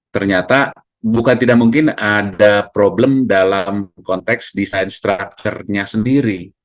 ternyata bukan tidak mungkin ada problem dalam konteks desain structure nya sendiri